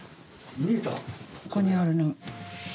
ここにあるの。